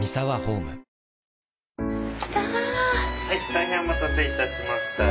大変お待たせいたしました。